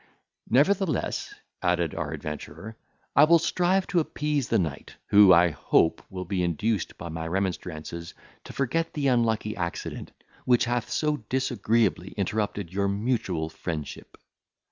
"Nevertheless," added our adventurer, "I will strive to appease the knight, who, I hope, will be induced by my remonstrances to forget the unlucky accident, which hath so disagreeably interrupted your mutual friendship."